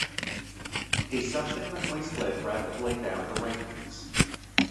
He subsequently slid rapidly down the rankings.